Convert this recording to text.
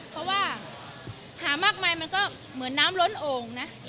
เพราะว่าหามากมายมันก็เหมือนน้ำล้นโอ่งนะ